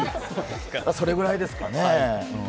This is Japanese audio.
それぐらいですかね。